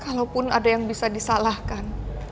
kalaupun ada yang bisa disalahkan